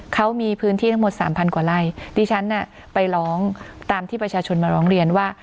เขามีพื้นที่ทั้งหมดสามพันกว่าไร่ดิฉันน่ะไปร้องตามที่ประชาชนมาร้องเรียนว่า